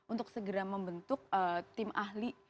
untuk segera membentuk tim ahli